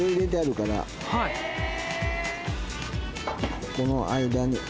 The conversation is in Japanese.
ここの間に。